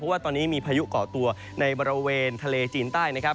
ว่าตอนนี้มีพายุเกาะตัวในบริเวณทะเลจีนใต้นะครับ